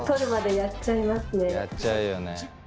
やっちゃうよね。